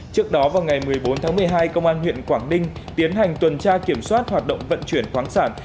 trước đó vào ngày một mươi bốn tháng một mươi hai công an huyện quảng ninh tiến hành tuần tra kiểm soát hoạt động vận chuyển khoáng sản